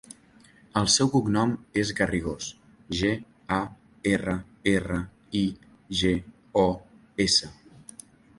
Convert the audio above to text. El seu cognom és Garrigos: ge, a, erra, erra, i, ge, o, essa.